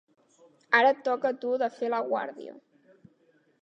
Ara et toca a tu de fer la guàrdia.